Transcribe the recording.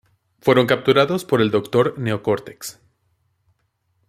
Fueron capturados por el doctor Neo Cortex.